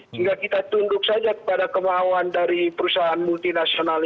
sehingga kita tunduk saja kepada kemauan dari perusahaan multinasional